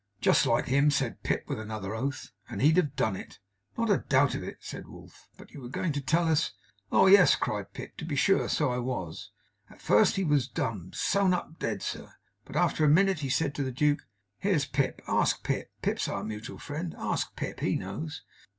'Just like him,' said Pip with another oath. 'And he'd have done it!' 'Not a doubt of it,' said Wolf. 'But you were going to tell us ' 'Oh, yes!' cried Pip. 'To be sure. So I was. At first he was dumb sewn up, dead, sir but after a minute he said to the Duke, "Here's Pip. Ask Pip. Pip's our mutual friend. Ask Pip. He knows."